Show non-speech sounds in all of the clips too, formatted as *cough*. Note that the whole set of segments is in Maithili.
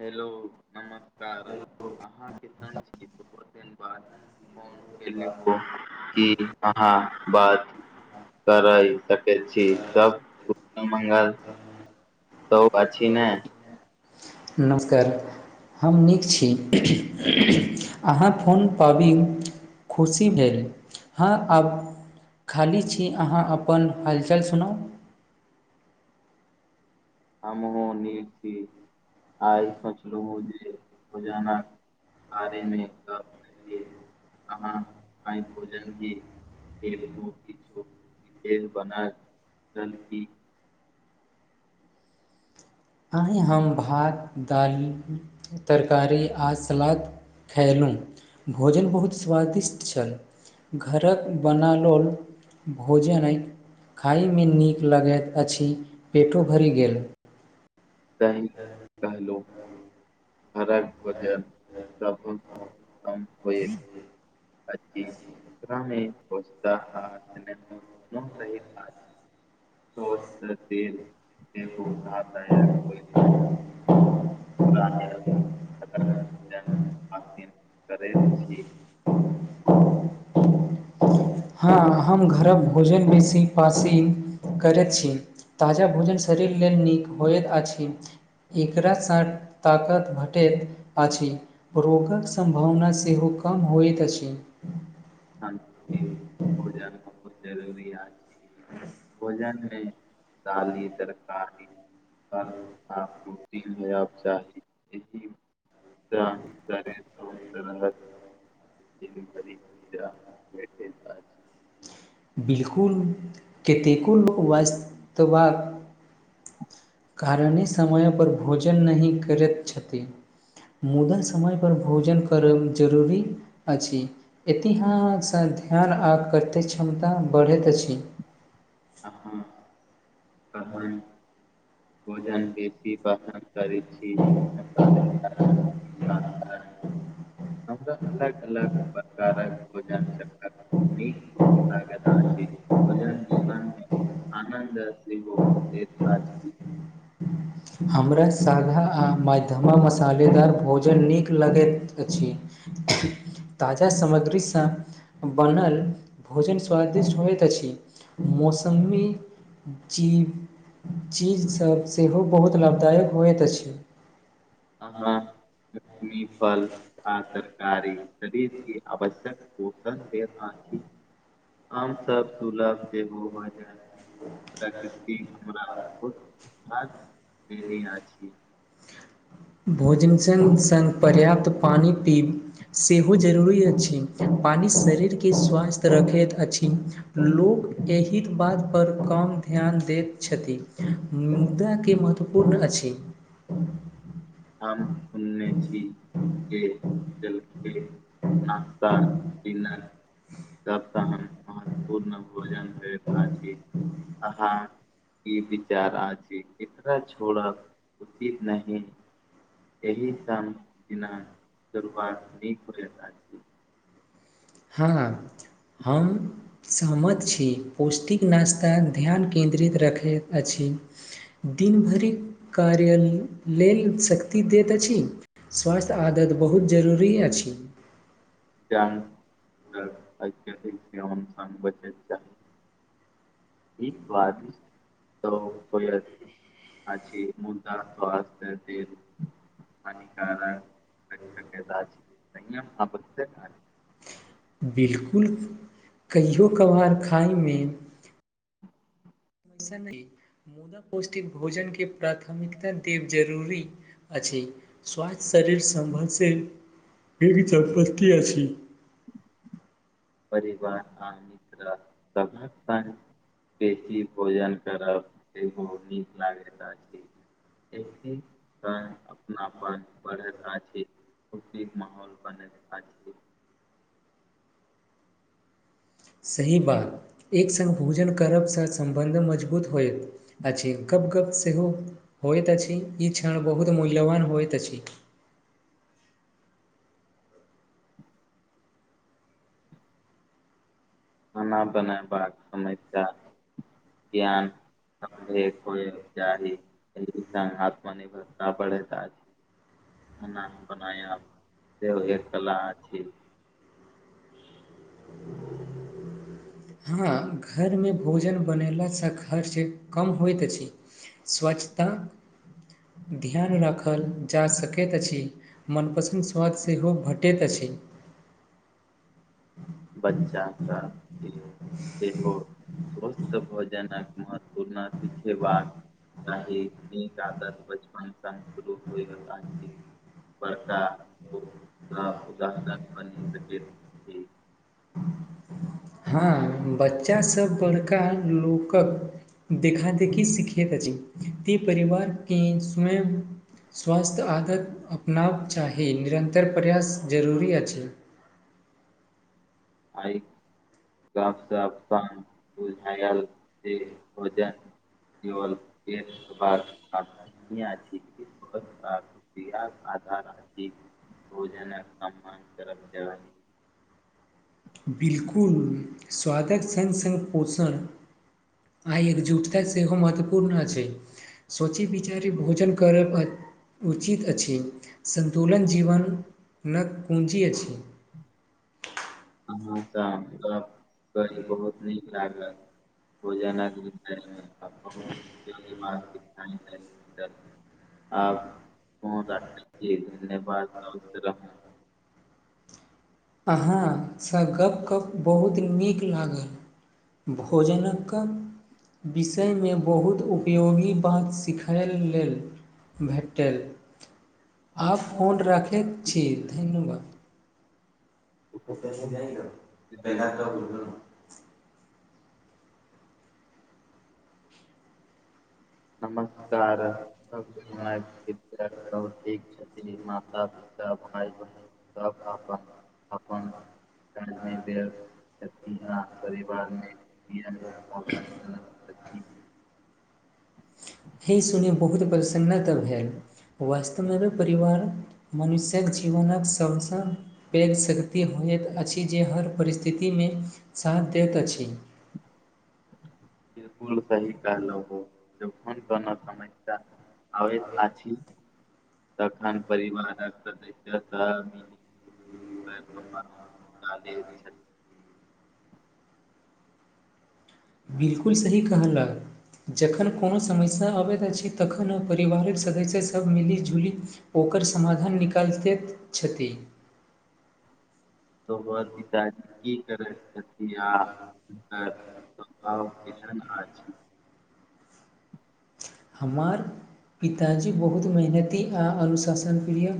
हेलो नमस्कार अहाँके सञ बाद फोन कले हो कि अहाँ बात करय सकैत छी सब बंगाल तौ अछि ने नमस्कार हम नीक छी अहाँ फोन पाबी खुशी भेल हँ आब खाली छी अहाँ अपन हालचाल सुनाउ ह *inaudible* हमहु नीक छी आइ सोचलहु जे होजाना आरेमे क करकेँ अहाँ आइ भोजन भी खेलगोछो विेष बना जल की अही हम भात दाल तरकारी आ सलाद खयलहुँ भोजन बहुत स्वादिष्ट छल घरक बनाओल भोजन अछि खाइमे नीक लगैत अछि पेटो भरि गेल त कहलो हरा सभल उत्तम होए *unintelligible* इरामे पसता आ हो दुन रहैत आ सस््त तेल देखो लाभदायक *unintelligible* राधे *unintelligible* करैत छी हँ हम घरक भोजन बेसी पसीन करैत छी ताजा भोजन शरीर लेल नीक होइत अछि एकरासँ ताकत भेटैत अछि रोगक सम्भावना सेहो दुकाम होइत अछि *unintelligible* आ भोजन बहुत जरूरी अछि भोजन दाल तरकारी हाल आपरू दिल है आब चाही यह *unintelligible* त तरे तरगत *unintelligible* दीन भरी ऊर्जा भेटैत आछि बिलकुल कतेको लोक वास्तवा *inaudible* कारणी समयपर भोजन नहि करैत छथि मुदा समय पर भोजन करब जरुरी अछि एतिह ध्यान आ करते क्षमता बढ़ैत अछि अहाँ कहन भोजन बेसी कहन करै छी मसाले साधारण हमर अलग अलग प्रकारक भोजन चाहि न लागेत आछि भोजन जीवनमे आनन्द से हो से आज ही हमरा सादा आ मध्यमा मसालेदार भोजन नीक लगैत अछि ताजा सामग्रीसँ बनल भोजन स्वादिष्ट होइत अछि मौसमी जीव चीजसभ सेहो बहुत लाभदायक होइत अछि आ हँ *unintelligible* लक्ष्मी फल आ तरकारी शरीर की आवश्यक पोषण देत अछि हम सब सुलभ सेहो हो जा रहल छै प्रकृति हमरा बहुत उद्घार देने अछि भोजन सङ् सङ्ग पर्याप्त पानि पीब सेहो जरूरी अछि पानि शरीरकें स्वस्थ्य रखैत अछि लोक एहि बात पर कम ध्यान दैत छथिन मुद्दा केँ महत्वपूर्ण अछि हम उन्ने जी के जलखै *unintelligible* न्ता *inaudible* तब त हम महत्वपूर्ण भोजन होइत अछि अहाँ ई विचार *inaudible* छोड़ब उचित नहि एहि सब बिना दरबार नीक कर *inaudible* हँ हम सहमत छी पौष्टिक नास्ता ध्यान केन्द्रित रखैत अछि दिन भरिक कार्य लेल सक दैत अछि स्वास्थ्य आदत बहुत जरूरी अछि *inaudible* *unintelligible* जान आइकेँ से आन सान बचैके चाही इ स्वादिष्ट त होयत आ मुदा स्वस्थय केँ लेल हानिकारक *inaudible* बिलकुल कहियो कभार खायमे मुदा पौष्टिक भोजन केँ प्राथमिकता देब जरूरी अछि स्वास्थ्य शरीर सम्भवशी क च बसी अ छी *inaudible* परिवार आ मित्र सभक संग बेसी भोजन करब सेहो नीक लागैत अछि एथिन त अपनापन बढ़ैत अछि *unintelligible* खुशी केँ माहौल बनैत अछि सही बात एक संग भोजन करबसँ सम्बन्ध मजबूत होइत अछि गप गप सेहो होयत अछि ई क्षण बहुत मूल्यवान होयत अछि खाना बनेबाक समस्या ज्ञान ने को जााही एहि स आत्मनिर्भरता बढैत आछि खाना बनायब सेहो एक कला अछि हँ घरमे भोजन बनेला स खर्च कम होइत अछि स्वच्छता ध्यान राखल जा सकैत अछि मनपसन्द स्वाद सेहो भटैत अछि बच्चा सब सेहो स्वस्थ भोजन महत्वपूर्ण सिखेबाक नहि न आदत बचपन सन शुरू होइत आछि बड़का उदाहरण बनि सक *unintelligible* हँ बच्चा सब बड़का लोकक देखा देखि सिखैत अछि परिवार के स्वयं स्वास्थ्य आदत अपनाब चाही निरन्तर प्रयास जरूरी अछि आय गपसफसान बुझयल से होजन *inaudible* केवल एक दरबार ह इ क आधार *inaudible* *unintelligible* भोजनक सम्मान करै के चाहि बिल्कुल स्वादक सङ्ग सङ्ग पोषण आइ एकजुटता सेहो महत्वपूर्ण अछि सोचि विचारी भोजन करब उचित अछि सन्तुलन जीवन में कुञजी अछि अहाँ से गप्प क बहुत नीक लागल हो *unintelligible* जाना गत है अ बहुत उोगिक आब फोन राखैत छी धन्यवाद स्वस्थ रहू अहाँसँ गप्प गप बहुत नीक लागल भोजनक विषयमे बहुत उपयोगी बात सिखय लेल भेटल आब फोन राखैत छी धन्यवाद *unintelligible* नमस्कार सब ठीक छथिन माता पिता ता भाइ बहिन सब अपन अपन क अहाँक परिवारमे ज वातावरण बनल अछि हे सुनी बहुत प्रसन्नत भेल वास्तवमे य परिवार मनुष्यक जीवनक सभसँ पैघ शक्ति होइत अछि जे हर परिस्थितिमे साथ दैत अछि बिलकुल सही कहलहो जखन कोनो समस्या आबैत अछि तखन परिवारक सदस्य सब मिली जुलि छै बिलकुल सही कहलक जखन कोनो समस्या अबैत अछि तखन परिवारक सदस्य सभ मिली जुलि ओकर समाधान निकालिते छथि *inaudible* तोहर पिताजी की करैत छथि आ हुनकर घाव केहन आछि हमर पिताजी बहुत मेहनती आ अनुशासन प्रिय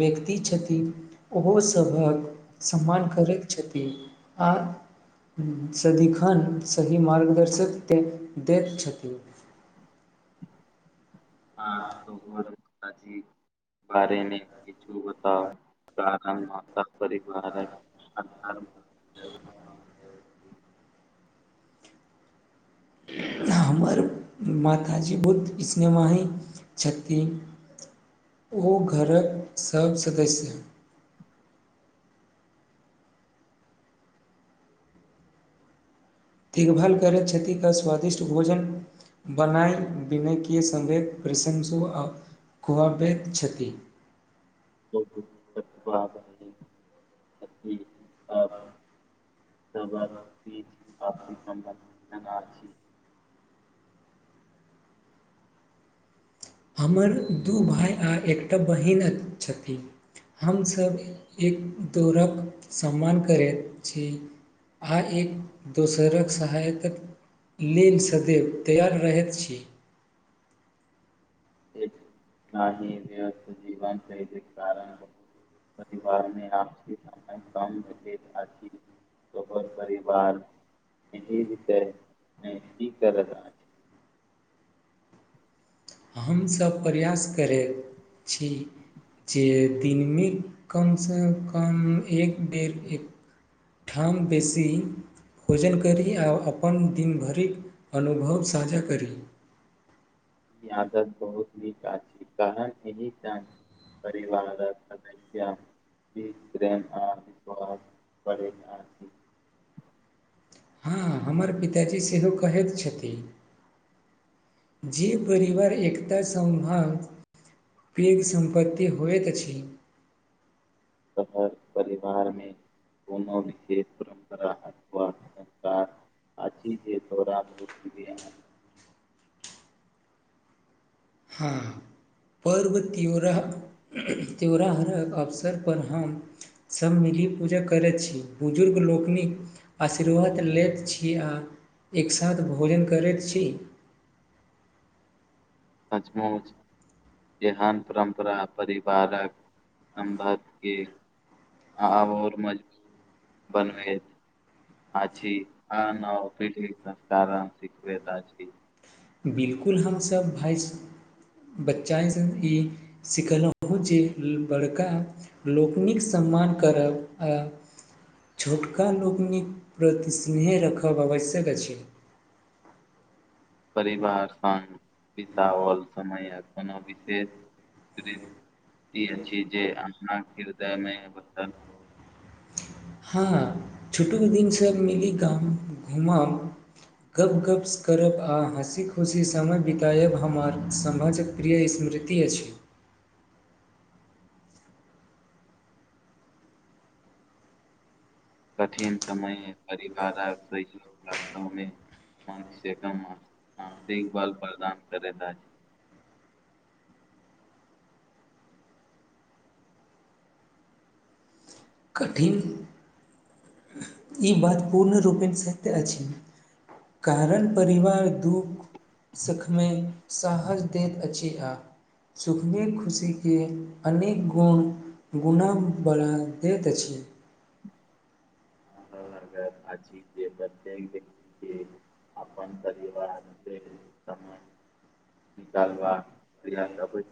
व्यक्ति छथिन ओहोस सभक सम्मान करैत छथि आ सदिखन सही मार्गदर्शक दैत छथिन *inaudible* हँ त बारेमे किछू बताउ का त परिवारक जाइ हमर माताजी बहुत निमाहय छथिन ओ घरक सब सदस्य देखभाल करैत छथि क स्वादिष्ट भोजन बनाई विनय किऐ संवेद प्रशंसो आ खुआबैत छथि ब भ *unintelligible* ह *unintelligible* सबक बीच आर्थिक सम्बन्ध बना छी हमर दू भाई आ एकटा बहिन छथिन हमसभ एक दौड़क सम्मान करैत छी आ एक *unintelligible* दोसरक सहायताक लेल सदैव तैयार रहैत छी एक नाही व्यस्त जीवन शैलिक कारण परिवारमे आपसी समय कम भेटैत अछि तकर परिवार एही विषय ने की कर रहल छी हमसभ प्रयास करैत छी जे दिनमे कमसँ कम एक बेर एकठाम बेसी भोजन करि आ अपन दिनभरिक अनुभव साझा करी ई आदात बहुत नीक अछि तहन एहि चान परिवारक समस्या बी प्रेम आ विश पड़ हँ हमर पिताजी सेहो कहैत छथिन जे परिवार एकता संभान पैघ सम्पत्ति होइत अछि त हर परिवारमे कोनो विशेष परम्परा अथवा संस्कार *unintelligible* छी जे तोरा म रूतिया हँ पर्व त्यौहारक अवसरपर हम सभ मिली पूजा करैत छी बुजुर्ग लोकनिक आशीर्वाद लैत छी आ एक साथ भोजन करैत छी *inaudible* सच मौच एहन परम्परा परिवारक सम्बध की आ आर मज बनबे आछी आ न पीत संस्कारण शिखता छी *unintelligible* बिलकुल हमसभ भाइसँ बच्चासँ ई सिखलहुँ जे बड़का लोकनिक सम सम्मान करब आ छोटका लोकनिक प्रति स्नेह राखब आवश्यक अछि परिवार स बिताओल समय कोनो विशेष जे अप हृदयमे ब हँ छोटू दिनसँ मिली कऽ घूमब गप्प गप्प स करब आ हँसी खुशी समय बितायब हमर समाजक प्रिय स्मृति अछि कठिन समय परिवार आ सहयोग रास्तामे *unintelligible* मनुष्यक मानसिक बल प्रदान करैत अछि कठिन ई बात पूर्ण रूपेण सत्य अछि कारण परिवार दुःख सुखमे साहस दैत अछि हँ सुखने खुशीकेँ अनेक गुण गुना बनल दैत छिय हमरा लागत अछि प्रत्येक व्यक्त के आपन तवार समान निकालबा प्रियाबै